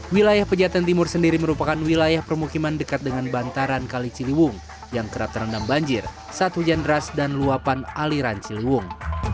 wilayah pejatan timur sendiri merupakan wilayah permukiman dekat dengan bantaran kaliciliung yang kerap terendam banjir saat hujan deras dan luopan aliran ciliwung